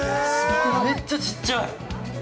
めっちゃちっちゃい。